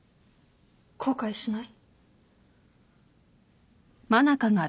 後悔しない？